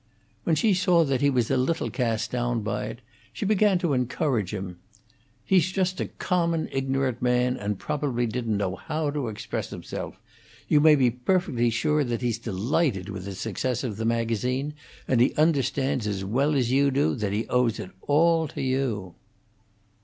When she saw that he was a little cast down by it, she began to encourage him. "He's just a common, ignorant man, and probably didn't know how to express himself. You may be perfectly sure that he's delighted with the success of the magazine, and that he understands as well as you do that he owes it all to you."